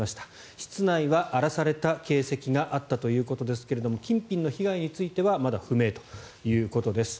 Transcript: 室内は荒らされた形跡があったということですが金品の被害についてはまだ不明ということです。